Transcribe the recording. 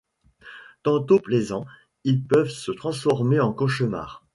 Tantôt plaisants, ils peuvent se transformer en cauchemar.